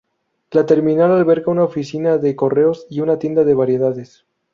La terminal alberga una oficina de correos y una tienda de variedades.